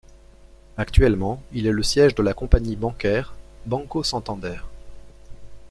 Actuellement, il est le siège de la compagnie bancaire Banco Santander.